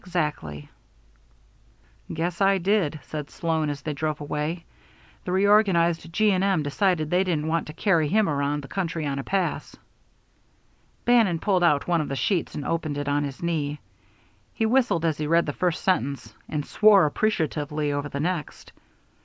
exactly." "Guess I did," said Sloan as they drove away. "The reorganized G. & M. decided they didn't want to carry him around the country on a pass." Bannon pulled out one of the sheets and opened it on his knee. He whistled as he read the first sentence, and swore appreciatively over the next.